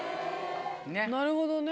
なるほどね。